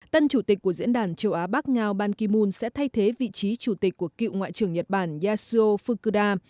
tân chủ tịch của diễn đàn châu á bắc ngao ban ki moon sẽ thay thế vị trí chủ tịch của cựu ngoại trưởng nhật bản yasuo fukuda